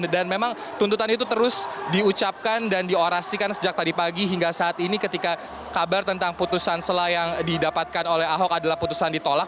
dan memang tuntutan itu terus diucapkan dan diorasikan sejak tadi pagi hingga saat ini ketika kabar tentang putusan selain yang didapatkan oleh ahok adalah putusan ditolak